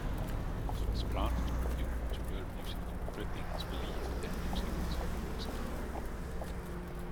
This was Plant's tribute to world music, reflecting his belief that music is universal.